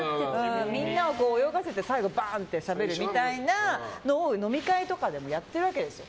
みんなを泳がせて最後しゃべるみたいなことを飲み会とかでもやっているわけですよ。